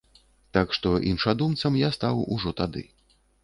Так што іншадумцам я стаў ужо тады.